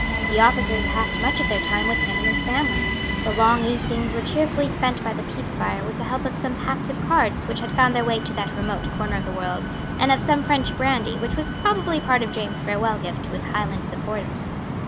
The officers passed much of their time with him and his family. The long evenings were cheerfully spent by the peat fire with the help of some packs of cards which had found their way to that remote corner of the world, and of some French brandy which was probably part of James's farewell gift to his Highland supporters.